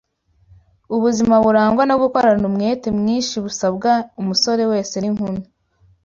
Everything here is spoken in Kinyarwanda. Ubuzima burangwa no gukorana umwete mwinshi busabwa umusore wese n’inkumi